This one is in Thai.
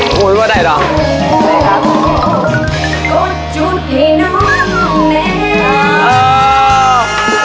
อู๋มันพอไหนเนี่ย